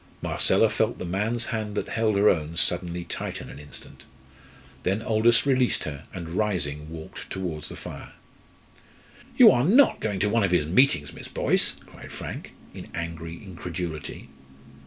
Marcella felt the man's hand that held her own suddenly tighten an instant. Then Aldous released her, and rising walked towards the fire. "You're not going to one of his meetings, Miss Boyce!" cried Frank, in angry incredulity.